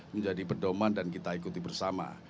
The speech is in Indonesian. menjadi pedoman dan kita ikuti bersama